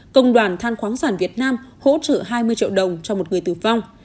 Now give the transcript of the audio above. công đoàn than khoáng sản việt nam hỗ trợ hai mươi triệu đồng cho một người tử vong